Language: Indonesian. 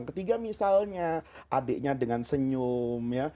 ketiga misalnya adiknya dengan senyum